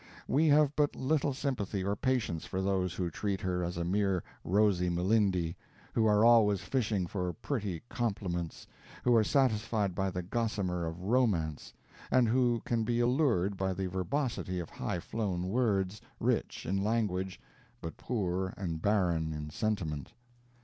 We have but little sympathy or patience for those who treat her as a mere Rosy Melindi who are always fishing for pretty complements who are satisfied by the gossamer of Romance, and who can be allured by the verbosity of high flown words, rich in language, but poor and barren in sentiment.